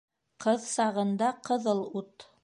Ҡыҙ сағында ҡыҙыл ут